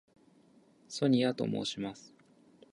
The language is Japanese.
ソニアと申します。